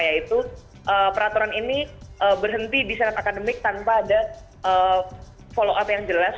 yaitu peraturan ini berhenti di senat akademik tanpa ada follow up yang jelas